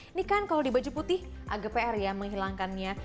ini kan kalau di baju putih agak pr ya menghilangkannya